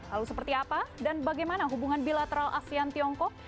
lalu seperti apa dan bagaimana hubungan bilateral asean tiongkok